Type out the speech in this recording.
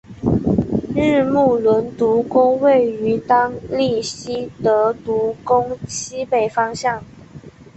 日木伦独宫位于当圪希德独宫西北方向。